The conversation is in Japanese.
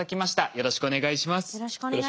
よろしくお願いします。